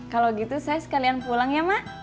kalau gitu saya sekalian pulang ya mak